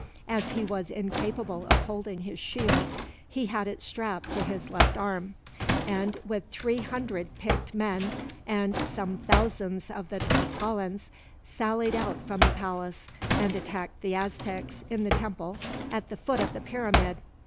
As he was incapable of holding his shield, he had it strapped to his left arm; and with three hundred picked men, and some thousands of the Tlascalans, sallied out from the palace, and attacked the Aztecs in the temple at the foot of the pyramid.